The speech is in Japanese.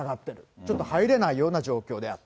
ちょっと入れないような状況であった。